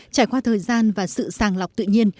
trải qua thời gian và sự sàng lọc tự nhiên